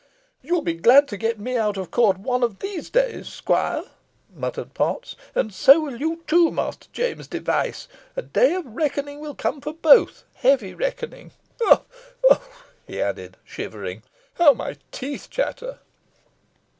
"You'll be glad to get me out of court one of these days, squire," muttered Potts, "and so will you too, Master James Device. A day of reckoning will come for both heavy reckoning. Ugh! ugh!" he added, shivering, "how my teeth chatter!"